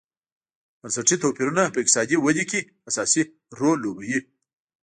بنسټي توپیرونه په اقتصادي ودې کې اساسي رول لوبوي.